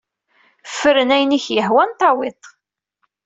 Fren ayen ak-yehwan, tawid-t.